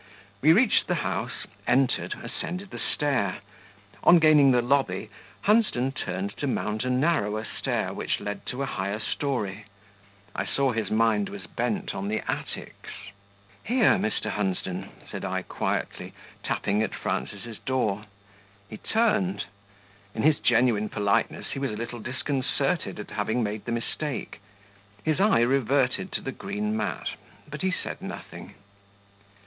We reached the house, entered, ascended the stair; on gaining the lobby, Hunsden turned to mount a narrower stair which led to a higher story; I saw his mind was bent on the attics. "Here, Mr. Hunsden," said I quietly, tapping at Frances' door. He turned; in his genuine politeness he was a little disconcerted at having made the mistake; his eye reverted to the green mat, but he said nothing.